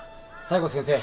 西郷先生